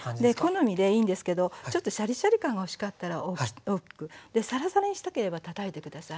好みでいいんですけどちょっとシャリシャリ感が欲しかったら大きくサラサラにしたければたたいて下さい。